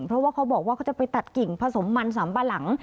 เพราะว่าเขาบอกว่าเขาจะไปตัดกิ่งผสมมันสำปะหลัง